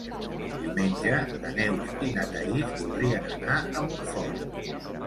Diumenge na Neus i na Thaís voldrien anar a Montfort.